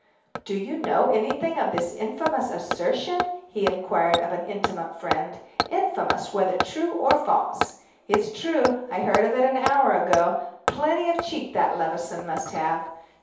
"Do you know anything of this infamous assertion?" he inquired of an intimate friend "infamous, whether true or false." "It's true, I heard of it an hour ago. Plenty of cheek that Levison must have."